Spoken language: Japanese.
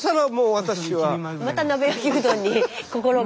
スタジオまた鍋焼きうどんに心が。